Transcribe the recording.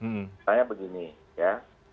misalnya begini ya